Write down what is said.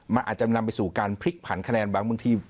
มันอาจจะนำไปสู่การพลิกผันคะแนนบางที